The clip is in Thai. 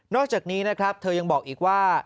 อกจากนี้นะครับเธอยังบอกอีกว่า